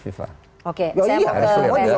terkait rusia ini urusan politik